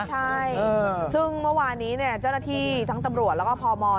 ใช่ซึ่งเมื่อวานี้เจ้าหน้าที่ทั้งตำรวจแล้วก็พม